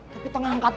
tapi tengah angkat